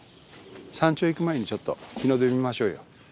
山頂行く前にちょっと日の出を見ましょうよ。